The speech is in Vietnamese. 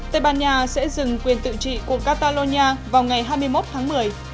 tây ban nha sẽ dừng quyền tự trị của catalonia vào ngày hai mươi một tháng một mươi